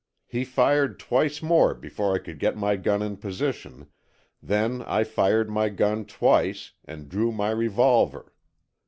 He fired twice more before I could get my gun in position, then I fired my gun twice and drew my revolver.